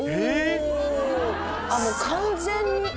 もう完全に。